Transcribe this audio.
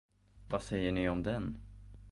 Vad säger ni om den?